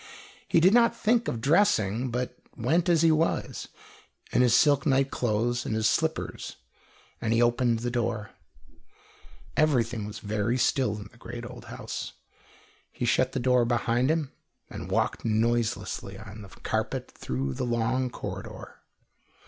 He did not think of dressing, but went as he was, in his silk night clothes and his slippers, and he opened the door. Everything was very still in the great old house. He shut the door behind him and walked noiselessly on the carpet through the long corridor.